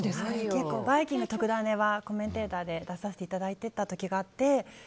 結構「バイキング」「とくダネ！」はコメンテーターで出させていただいた時があって。